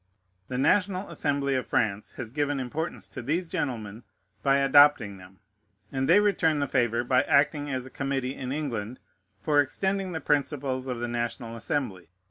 The National Assembly of France has given importance to these gentlemen by adopting them; and they return the favor by acting as a committee in England for extending the principles of the National Assembly.